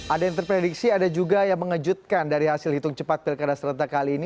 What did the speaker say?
ada yang terprediksi ada juga yang mengejutkan dari hasil hitung cepat pilkada serentak kali ini